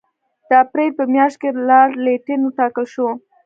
د اپرېل په میاشت کې لارډ لیټن وټاکل شو.